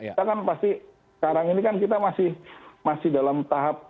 kita kan pasti sekarang ini kan kita masih dalam tahap